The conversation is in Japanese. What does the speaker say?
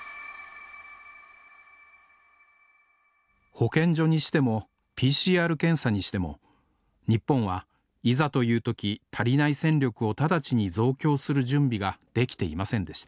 保健所にしてもＰＣＲ検査にしても日本はいざという時足りない戦力を直ちに増強する準備ができていませんでした。